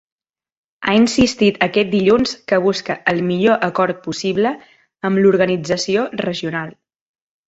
Ha insistit aquest dilluns que busca “el millor acord possible” amb l’organització regional.